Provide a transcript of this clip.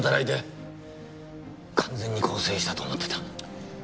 完全に更生したと思ってた。